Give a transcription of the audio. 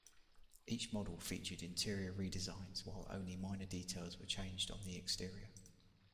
Each model featured interior redesigns, while only minor details were changed on the exterior.